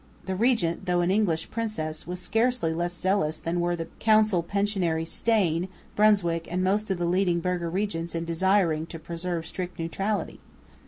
The regent, though an English princess, was scarcely less zealous than were the council pensionary Steyn, Brunswick and most of the leading burgher regents in desiring to preserve strict neutrality.